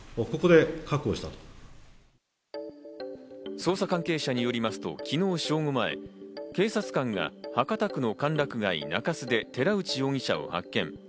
捜査関係者によりますと昨日正午前、警察官が博多区の歓楽街・中洲で寺内容疑者を発見。